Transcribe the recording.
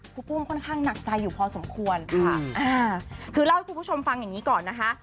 รูปุ้มค่อนข้างหนักใจอยู่พอสมควรค่ะอ่าคือเล่าให้คุณผู้ชมฟังอย่างงี้ก่อนนะคะ